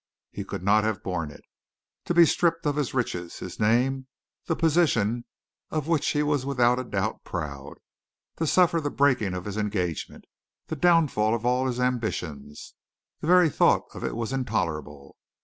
He could not have borne it. To be stripped of his riches, his name, the position of which he was without a doubt proud, to suffer the breaking of his engagement, the downfall of all his ambitions, the very thought of it was intolerable.